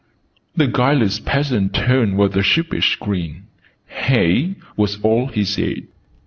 The guileless peasant turned with a sheepish grin. "Hey?" was all he said.